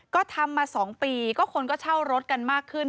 ก็ทำมา๒ปีก็คนก็เช่ารถกันมากขึ้น